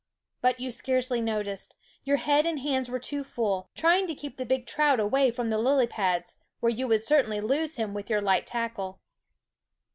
But you scarcely noticed ; your head and hands were too full, trying to keep the big trout away from the lily pads, where you would certainly lose him with your light tackle.